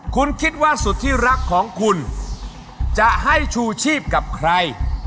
คุณคิดว่าสุดที่รักของคุณจะให้ชูชีพกับใคร